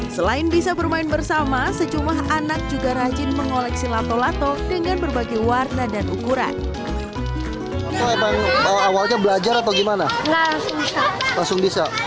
selain bisa bermain bersama sejumlah anak juga rajin mengoleksi lato lato dengan berbagai warna dan ukuran